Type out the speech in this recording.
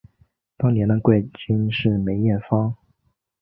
当年的冠军是梅艳芳。